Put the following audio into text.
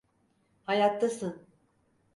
Hayattasın!